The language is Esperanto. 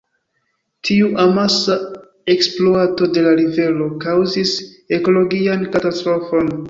Tiu amasa ekspluato de la rivero kaŭzis ekologian katastrofon.